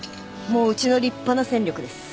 もううちの立派な戦力です。